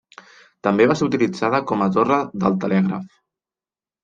També va ser utilitzada com a torre del telègraf.